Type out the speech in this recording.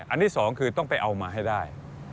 อันนี้สองคือต้องไปเอามาให้ได้